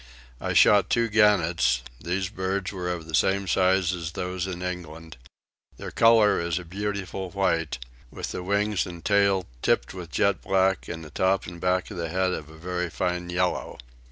I shot two gannets: these birds were of the same size as those in England; their colour is a beautiful white, with the wings and tail tipped with jet black and the top and back of the head of a very fine yellow.